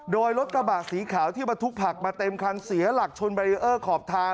โดยรถกระบะสีขาวที่บรรทุกผักมาเต็มคันเสียหลักชนแบรีเออร์ขอบทาง